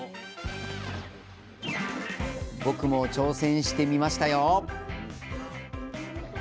僕も挑戦してみましたよ！